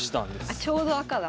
あちょうど赤だ。